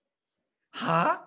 はあ？